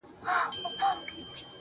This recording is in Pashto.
خدايه ته لوی يې~